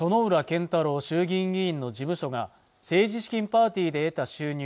健太郎衆議院議員の事務所が政治資金パーティーで得た収入